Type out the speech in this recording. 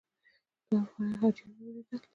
دوه افغان حاجیان مې ولیدل.